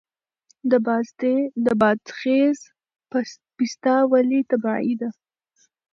د بادغیس پسته ولې طبیعي ده؟